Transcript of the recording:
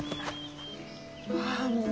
ああもう。